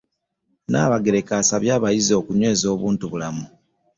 Nnaabagereka asabye abayizi okunyweza obuntubulamu